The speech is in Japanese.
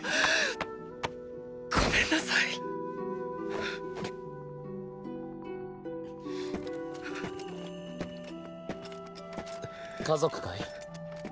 ごめんなさい家族かい？